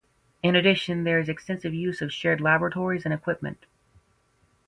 In addition, there is extensive use of shared laboratories and equipment.